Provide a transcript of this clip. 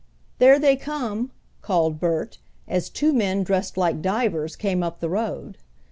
"There they come," called Bert, as two men dressed like divers came up the road.